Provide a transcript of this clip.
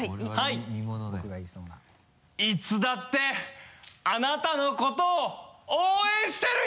「いつだってあなたのことを応援してるよ！」